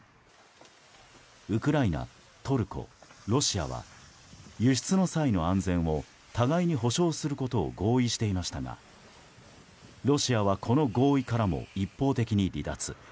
ウクライナ、トルコ、ロシアは輸出の際の安全を互いに保証することを合意していましたがロシアは、この合意からも一方的に離脱。